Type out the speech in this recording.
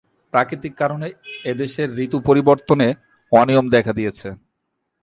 প্রাকৃতিক কারণে এদেশের ঋতু পরিবর্তনে অনিয়ম দেখা দিয়েছে।